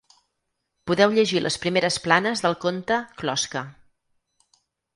Podeu llegir les primeres planes del conte ‘Closca’.